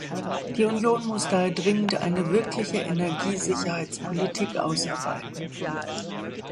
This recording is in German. Die Union muss daher dringend eine wirkliche Energiesicherheitspolitik ausarbeiten.